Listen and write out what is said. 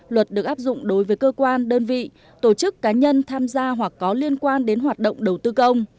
luật được áp dụng đối với cơ quan đơn vị tổ chức cá nhân tham gia hoặc có liên quan đến hoạt động đầu tư công